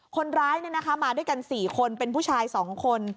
คนร้ายมาด้วยกัน๔คนเป็นผู้ชาย๒คน